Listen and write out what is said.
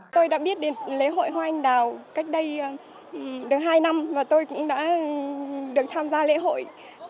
tôi đã biết đến lễ hội hoa anh đào cách đây được hai năm và tôi cũng đã được tham gia lễ hội